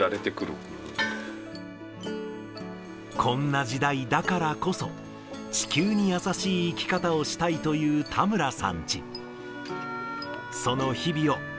こんな時代だからこそ、地球に優しい生き方をしたいという田村さんチ。